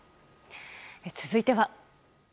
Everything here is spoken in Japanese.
続いては。